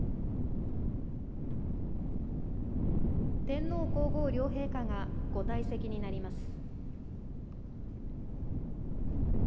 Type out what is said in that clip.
天皇皇后両陛下が御退席になります。